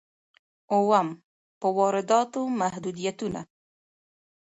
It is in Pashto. اووم: په وارداتو محدودیتونه.